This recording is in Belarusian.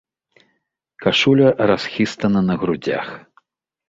Кашуля расхістана на грудзях.